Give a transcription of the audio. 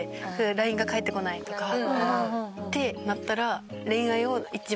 「ＬＩＮＥが返ってこない」とかってなったら。